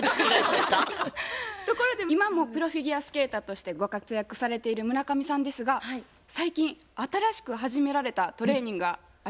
ところで今もプロフィギュアスケーターとしてご活躍されている村上さんですが最近新しく始められたトレーニングがあるみたいですね？